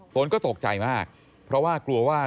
นก็ตกใจมากเพราะว่ากลัวว่า